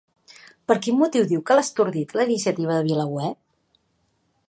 Per quin motiu diu que l'ha estordit la iniciativa de VilaWeb?